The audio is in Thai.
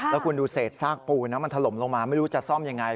แล้วคุณดูเศษซากปูนมันถล่มลงมาไม่รู้จะซ่อมยังไง